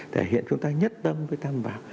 thể hiện chúng ta nhất tâm với tâm bảo